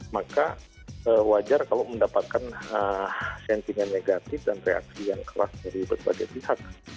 maka wajar kalau mendapatkan sentimen negatif dan reaksi yang keras dari berbagai pihak